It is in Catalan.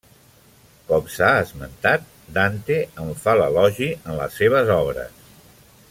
Com s'ha esmentat, Dante en fa l'elogi en les seves obres.